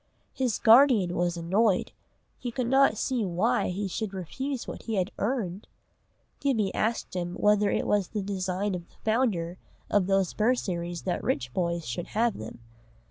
His guardian was annoyed, he could not see why he should refuse what he had "earned." Gibbie asked him whether it was the design of the founder of those bursaries that rich boys should have them.